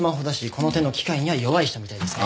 この手の機械には弱い人みたいですね。